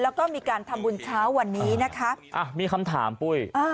แล้วก็มีการทำบุญเช้าวันนี้นะคะอ่ะมีคำถามปุ้ยอ่า